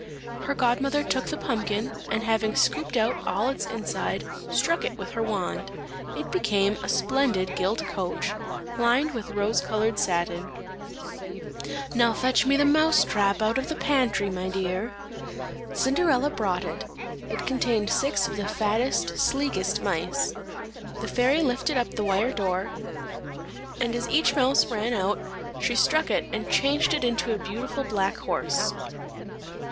Her godmother took the pumpkin, and having scooped out all its inside, struck it with her wand; it became a splendid gilt coach, lined with rose coloured satin. "Now fetch me the mouse trap out of the pantry, my dear." Cinderella brought it; it contained six of the fattest, sleekest mice. The fairy lifted up the wire door, and as each mouse ran out she struck it and changed it into a beautiful black horse.